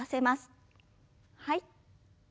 はい。